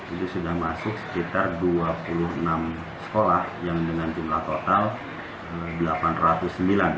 itu sudah masuk sekitar dua puluh enam sekolah yang dengan jumlah total